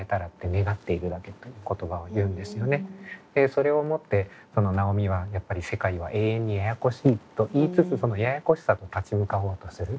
それをもって尚美はやっぱり世界は永遠にややこしいと言いつつそのややこしさと立ち向かおうとする。